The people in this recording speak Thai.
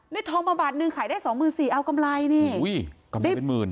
ทองมาบาทนึงขายได้สองหมื่นสี่เอากำไรนี่อุ้ยกำไรเป็นหมื่น